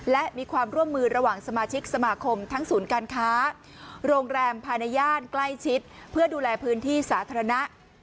และมีความร่วมมือระหว่างสมาชิกสมาคมทั้งศูนย์การค้าโรงแรมภายในย่านใกล้ชิดเพื่อดูแลพื้นที่สาธารณะ